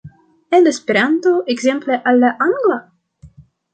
el Esperanto ekzemple al la angla?